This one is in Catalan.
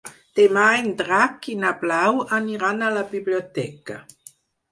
Demà en Drac i na Blau aniran a la biblioteca.